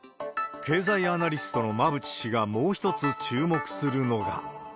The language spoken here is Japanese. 経済アナリストの馬渕氏がもう一つ注目するのが。